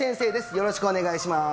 よろしくお願いします